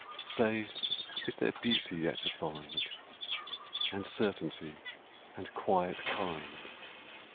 Say, is there Beauty yet to find? And Certainty? and Quiet kind?